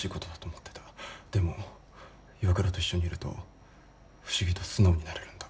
でも岩倉と一緒にいると不思議と素直になれるんだ。